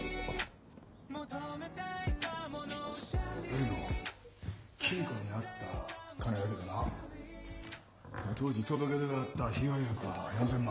例の金庫にあった金だけどな当時届け出があった被害額は４，０００万。